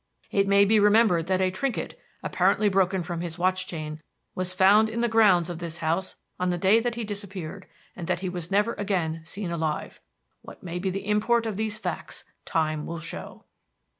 It may be remembered that a trinket, apparently broken from his watch chain, was found in the grounds of this house on the day that he disappeared, and that he was never again seen alive. What may be the import of these facts time will show."